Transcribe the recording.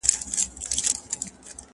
زه پرون مکتب ته ولاړم!.